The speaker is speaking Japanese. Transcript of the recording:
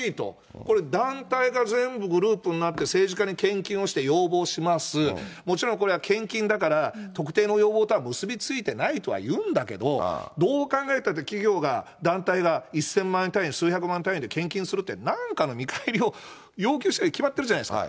これ、団体が全部グループになって政治家に献金をして要望します、もちろんこれは献金だから、特定の要望とは結び付いてないとは言うんだけど、どう考えたって、企業が、団体が１０００万単位、数百万円単位で献金するって、なんかの見返りを要求してるに決まってるじゃないですか。